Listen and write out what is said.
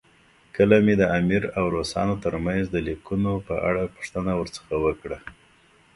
کله مې د امیر او روسانو ترمنځ د لیکونو په اړه پوښتنه ورڅخه وکړه.